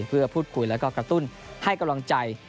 เพื่อพูดคุยแล้วก็กระตุ้นให้กำลังใจ